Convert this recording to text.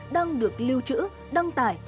đang được lưu trữ đăng tải